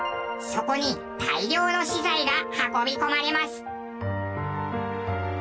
そこに大量の資材が運び込まれます。